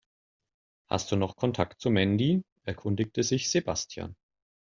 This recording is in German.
Hast du noch Kontakt zu Mandy?, erkundigte sich Sebastian.